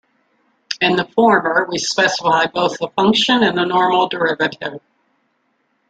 In the former, we specify both the function and the normal derivative.